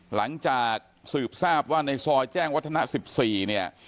หลังจากสืบทราบว่าในซอยแจ้งวัฒนะ๑๔เนี่ย